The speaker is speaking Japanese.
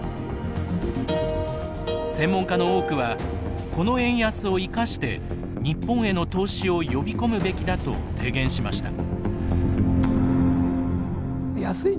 専門家の多くはこの円安を生かして日本への投資を呼び込むべきだと提言しました。